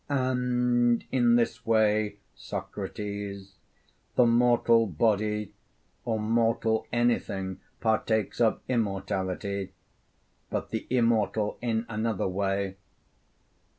And in this way, Socrates, the mortal body, or mortal anything, partakes of immortality; but the immortal in another way.